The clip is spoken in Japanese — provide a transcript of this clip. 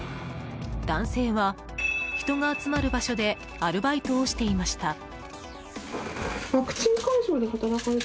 男性は人が集まる場所でアルバイトをしていました。